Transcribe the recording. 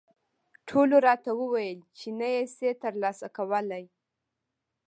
ټولو راته وویل چې نه یې شې ترلاسه کولای.